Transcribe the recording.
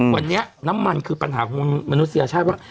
วันนี้น้ำมันคือปัญหาของมนุษยชาติว่า